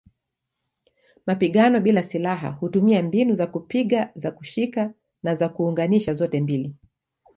Mapigano bila silaha hutumia mbinu za kupiga, za kushika na za kuunganisha zote mbili.